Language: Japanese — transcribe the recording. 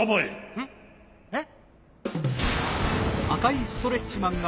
うん？えっ？